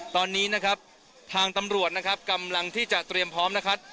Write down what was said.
ตอนนี้นะครับทางตำรวจนะครับกำลังที่จะเตรียมพร้อมนะครับ